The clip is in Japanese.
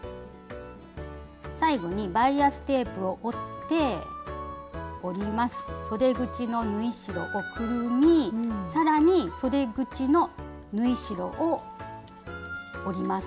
最後にバイアステープを折ってそで口の縫い代をくるみさらにそで口の縫い代を折ります。